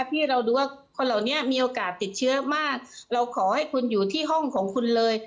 ที่เราดูว่าคนเหล่านี้มีโอกาสติดเชื้อมากเราขอให้คุณอยู่ที่ห้องของคุณเลย